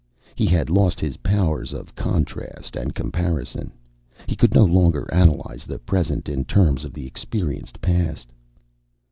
He had lost his powers of contrast and comparison. He could no longer analyze the present in terms of the experienced past.